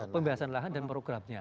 pembebasan lahan dan programnya